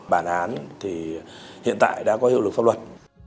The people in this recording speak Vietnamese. bản án thì hiện tại đã có hiệu lực pháp luật